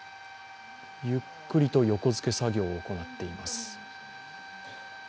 ゆっくりと横付け作業を行っています。